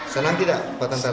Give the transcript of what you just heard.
senang tidak pak tentara